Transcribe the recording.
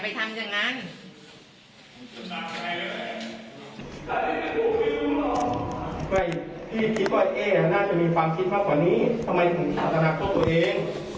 พี่คิดว่าเอ๊น่าจะมีความคิดมากกว่านี้ทำไมถึงถามอนาคตตัวเอง